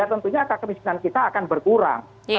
ya tentunya kemiskinan kita akan berkurang